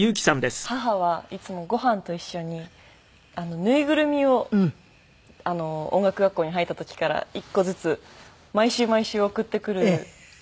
母はいつもご飯と一緒に縫いぐるみを音楽学校に入った時から１個ずつ毎週毎週送ってくる。